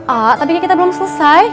a tapi kayaknya kita belum selesai